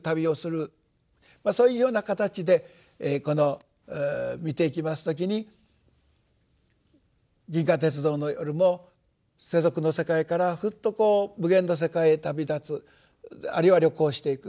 そういうような形で見ていきます時に「銀河鉄道の夜」も世俗の世界からふっと無限の世界へ旅立つあるいは旅行していく